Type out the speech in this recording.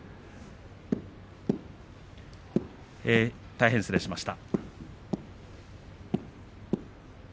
大変失礼しました。